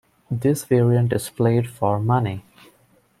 This variant is played for money.